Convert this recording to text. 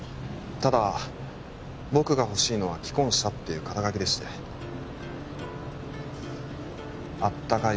ただ僕が欲しいのは「既婚者」っていう肩書でしてあったかい